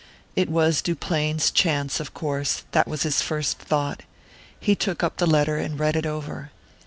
It was Duplain's chance, of course...that was his first thought. He took up the letter and read it over.